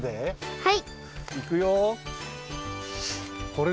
はい。